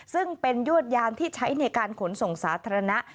ซึ่งเป็นยวดยานที่ใช้ในการขนส่งสาธารณะ